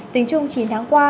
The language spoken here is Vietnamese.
tính chung chín tháng qua